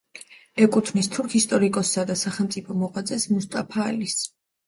ეკუთვნის თურქ ისტორიკოსსა და სახელმწიფო მოღვაწეს მუსტაფა ალის.